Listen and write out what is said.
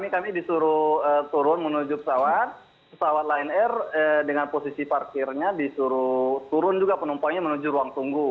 kami disuruh turun menuju pesawat pesawat lion air dengan posisi parkirnya disuruh turun juga penumpangnya menuju ruang tunggu